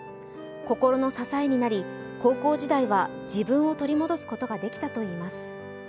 心の支えになり、高校時代は自分を取り戻すことができたといいます。